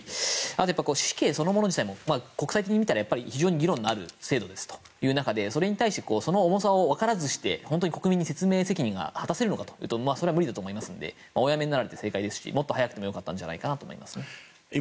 あと、死刑そのもの自体も国際的に見たら非常に議論のある制度ですというそれに対してその重さをわからずして本当に国民に説明責任が果たせるかというとそれは無理だと思いますのでお辞めになってよかったと思いますしもっと早くてもよかったんじゃないかと思いました。